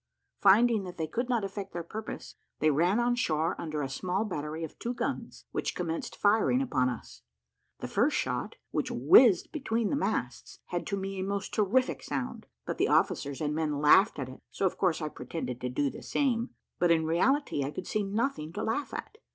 Finding that they could not effect their purpose, they ran on shore under a small battery of two guns, which commenced firing upon us. The first shot, which whizzed between the masts, had to me a most terrific sound; but the officers and men laughed at it, so of course I pretended to do the same, but in reality I could see nothing to laugh at.